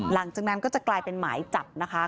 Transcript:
หลังจากนั้นก็จะกลายเป็นหมายจับนะคะ